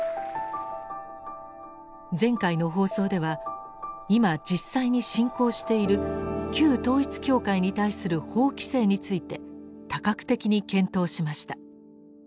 前回の放送では今実際に進行している旧統一教会に対する法規制について多角的に検討しました。